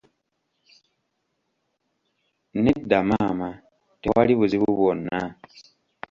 Nedda maama, tewali buzibu bwonna.